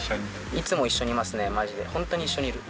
いつも一緒にいますね、まじで、本当に一緒にいる。